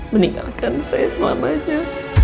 meninggalkan saya selamanya